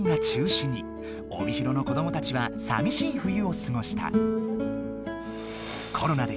帯広の子どもたちはさみしい冬をすごした。